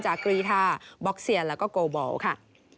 กรีธาบ็อกเซียนแล้วก็โกบอลค่ะ